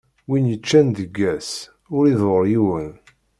Win yeččan deg ass, ur iḍurr yiwen.